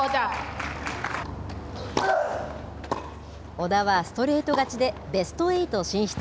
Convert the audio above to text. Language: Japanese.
小田はストレート勝ちで、ベストエイト進出。